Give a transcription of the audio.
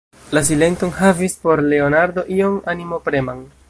La silento enhavis por Leonardo ion animopreman.